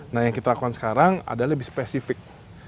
nah yang kita lakukan sekarang adalah lebih spesifik